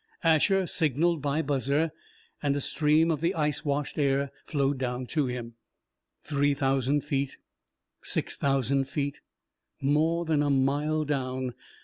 Asher signaled by buzzer, and a stream of the ice washed air flowed down to him. Three thousand feet! Six thousand feet! More than a mile down!